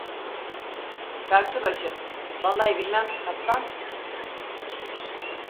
Çarkçıbaşı: "Vallahi bilmem, kaptan…"